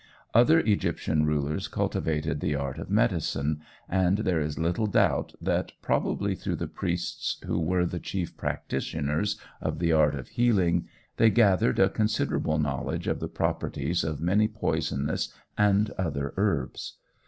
Other Egyptian rulers cultivated the art of medicine, and there is little doubt that, probably through the priests, who were the chief practitioners of the art of healing, they gathered a considerable knowledge of the properties of many poisonous and other herbs.